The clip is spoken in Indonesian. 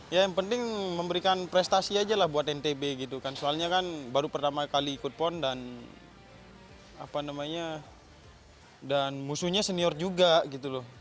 ya yang penting memberikan prestasi aja lah buat ntb gitu kan soalnya kan baru pertama kali ikut pon dan apa namanya dan musuhnya senior juga gitu loh